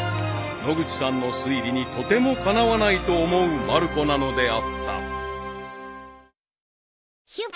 ［野口さんの推理にとてもかなわないと思うまる子なのであった］